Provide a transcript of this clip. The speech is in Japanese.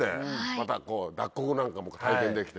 また脱穀なんかも体験できて。